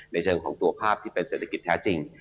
ในเชิงของตัวภาพที่เป็นเศรษฐกิจแท้จริง